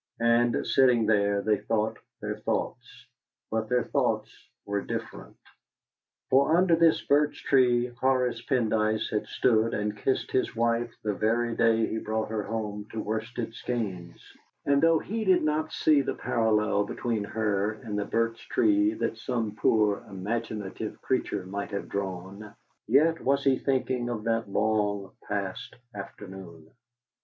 And sitting there they thought their thoughts, but their thoughts were different. For under this birch tree Horace Pendyce had stood and kissed his wife the very day he brought her home to Worsted Skeynes, and though he did not see the parallel between her and the birch tree that some poor imaginative creature might have drawn, yet was he thinking of that long past afternoon.